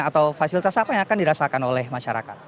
atau fasilitas apa yang akan dirasakan oleh masyarakat